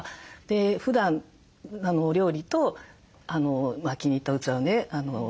ふだん料理と気に入った器をね